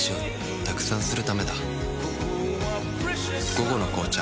「午後の紅茶」